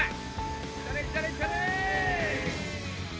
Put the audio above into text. いったれいったれいったれ！